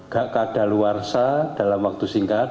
gak ada luarsa dalam waktu singkat